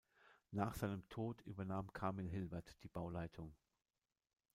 Nach seinem Tod übernahm Kamil Hilbert die Bauleitung.